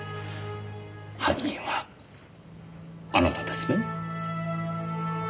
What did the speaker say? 犯人はあなたですね？